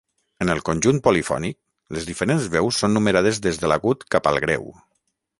En el conjunt polifònic, les diferents veus són numerades des de l'agut cap al greu.